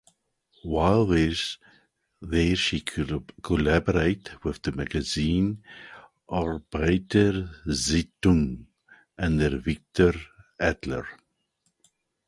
While there she collaborated with the magazine "Arbeiter Zeitung" under Victor Adler.